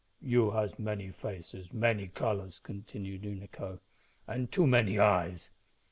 "You has many faces, many colours," continued Unaco, "and too many eyes."